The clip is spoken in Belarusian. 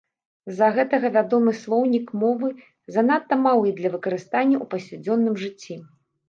З-за гэтага вядомы слоўнік мовы занадта малы для выкарыстання ў паўсядзённым жыцці.